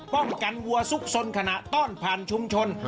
ป้องกันวัวซุกซ่อนขณะต้อนพันธุ์ชุมชน